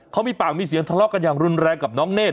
เขามีปากมีเสียงทะเลาะกันอย่างรุนแรงกับน้องเนธ